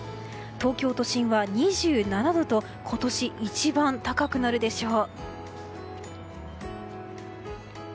東京都心は２７度と今年一番高くなるでしょう。